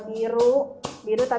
biru tadi dari telur